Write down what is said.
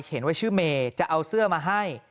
ว่าชื่อเมย์จะเอาเสื้อมาให้